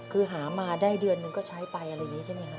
คือหามาได้เดือนนึงก็ใช้ไปอะไรอย่างนี้ใช่ไหมคะ